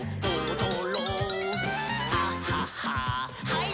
はい。